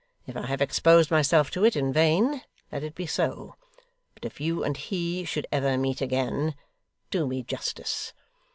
If I have exposed myself to it, in vain, let it be so; but if you and he should ever meet again, do me justice.